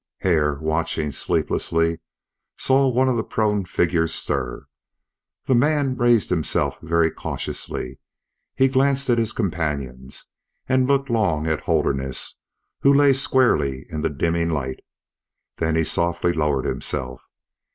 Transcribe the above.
Hare, watching sleeplessly, saw one of the prone figures stir. The man raised himself very cautiously; he glanced at his companions, and looked long at Holderness, who lay squarely in the dimming light. Then he softly lowered himself.